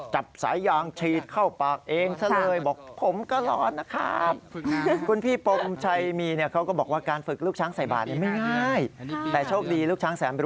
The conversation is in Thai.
จับสายยางฉีดเข้าปากเองซะเลย